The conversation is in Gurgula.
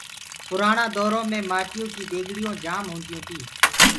پُرآڻآ دورو مي مآٽيو ڪي ديگڙيونٚ جآم هونديونٚ تي۔